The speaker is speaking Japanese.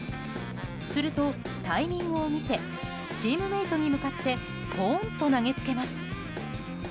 すると、タイミングを見てチームメートに向かってポーンと投げつけます。